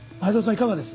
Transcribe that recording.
いかがです？